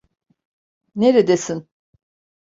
Neredesin?